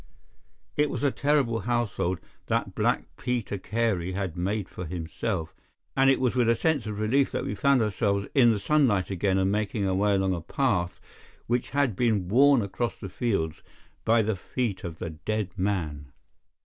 It was a terrible household that Black Peter Carey had made for himself, and it was with a sense of relief that we found ourselves in the sunlight again and making our way along a path which had been worn across the fields by the feet of the dead man.